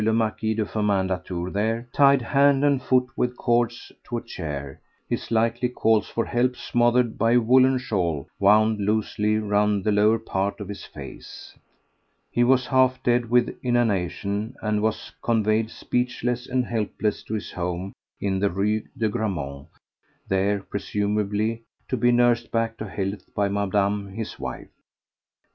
le Marquis de Firmin Latour there, tied hand and foot with cords to a chair, his likely calls for help smothered by a woollen shawl wound loosely round the lower part of his face. He was half dead with inanition, and was conveyed speechless and helpless to his home in the Rue de Grammont, there, presumably, to be nursed back to health by Madame his wife. 5.